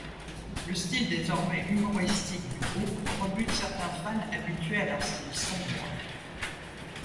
Le style désormais humoristique du groupe rebute certains fans habitués à leur style sombre.